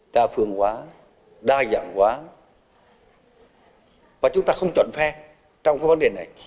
đa phương hóa đa dạng hóa và chúng ta không chuẩn phép trong vấn đề này